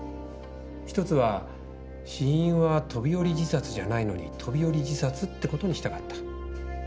１つは死因は飛び降り自殺じゃないのに飛び降り自殺ってことにしたかった。